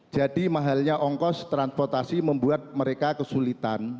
jadi mahalnya ongos transportasi membuat mereka kesulitan